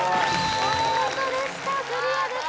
お見事でしたクリアです